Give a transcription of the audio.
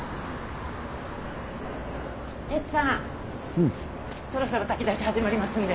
テツさんそろそろ炊き出し始まりますんで。